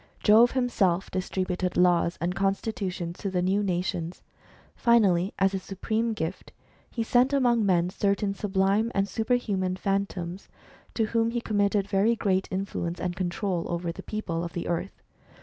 Jove himself dis tributed laws and constitutions to the new nations. Finally, as a supreme gift, he sent among men certain sublime and superhuman Phantoms, to whom he com mitted very great influence and control over the people of the earth.